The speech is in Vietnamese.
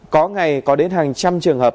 có ngày có đến hàng trăm trường hợp